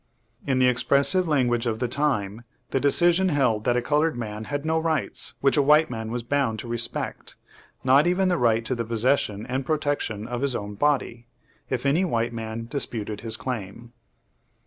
In the expressive language of the time the decision held that a colored man had no rights which a white man was bound to respect, not even the right to the possession and protection of his own body, if any white man disputed his claim.